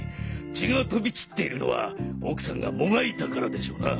血が飛び散っているのは奥さんがもがいたからでしょうな。